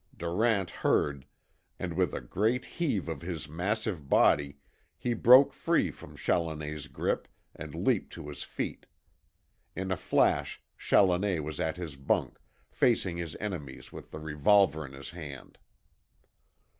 Durant heard, and with a great heave of his massive body he broke free from Challoner's grip, and leapt to his feet. In a flash Challoner was at his bunk, facing his enemies with the revolver in his hand.